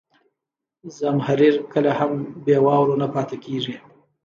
زمهریر کله هم بې واورو نه پاتې کېږي.